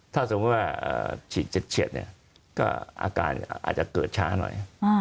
ถ้าสมมุติว่าฉีดเฉียดเนี่ยก็อาการอาจจะเกิดช้าหน่อย